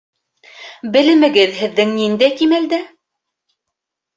Белемегеҙ һеҙҙең ниндәй кимәлдә?